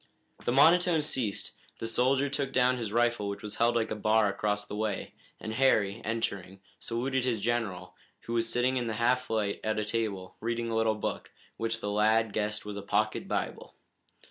The monotone ceased, the soldier took down his rifle which was held like a bar across the way, and Harry, entering, saluted his general, who was sitting in the half light at a table, reading a little book, which the lad guessed was a pocket Bible.